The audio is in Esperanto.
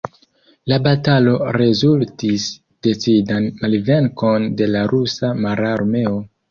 La batalo rezultis decidan malvenkon de la Rusa Mararmeo.